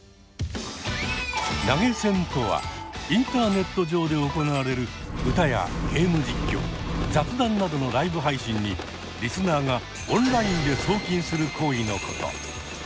投げ銭とはインターネット上で行われる歌やゲーム実況雑談などのライブ配信にリスナーがオンラインで送金する行為のこと。